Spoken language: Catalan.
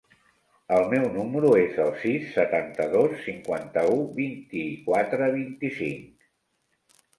El meu número es el sis, setanta-dos, cinquanta-u, vint-i-quatre, vint-i-cinc.